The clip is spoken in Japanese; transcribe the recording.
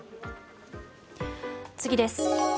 次です。